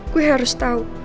gue harus tahu